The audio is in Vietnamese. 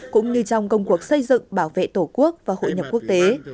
cũng như trong công cuộc xây dựng bảo vệ tổ quốc và hội nhập quốc tế